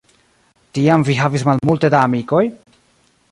Tiam vi havis malmulte da amikoj?